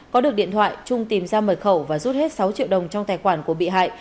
có được điện thoại trung tìm ra mời khẩu và rút hết sáu triệu đồng trong tài khoản của bị hại